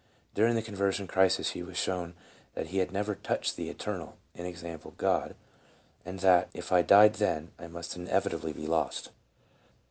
During the conversion crisis he was shown that he had "never touched the eternal, i. e., God, and that, if I died then, I must inevitably be lost